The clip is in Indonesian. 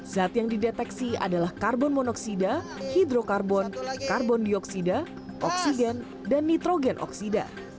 zat yang dideteksi adalah karbon monoksida hidrokarbon karbon dioksida oksigen dan nitrogen oksida